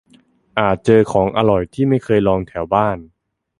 - อาจเจอของอร่อยที่ไม่เคยลองแถวบ้าน